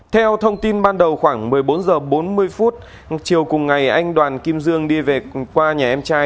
theo thông tin ban đầu khoảng một mươi bốn h bốn mươi chiều cùng ngày anh đoàn kim dương đi về qua nhà em trai